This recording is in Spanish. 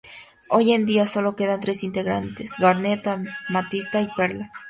Hoy en día, sólo quedan tres integrantes: Garnet, Amatista y Perla.